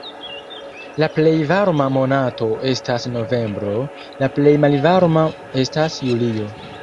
La plej varma monato estas novembro, la plej malvarma estas julio.